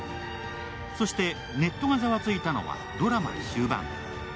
そして、ネットがざわついたのはドラマの終盤。